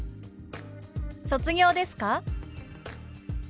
「卒業ですか？」。